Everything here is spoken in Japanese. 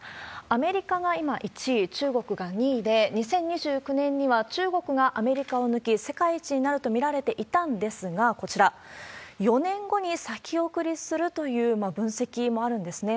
アメリカが今１位、中国が２位で、２０２９年には中国がアメリカを抜き、世界一になると見られていたんですが、こちら、４年後に先送りするという分析もあるんですね。